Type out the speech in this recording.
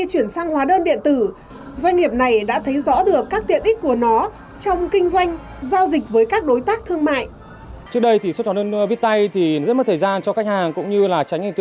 chuyển sang hóa đơn điện tử doanh nghiệp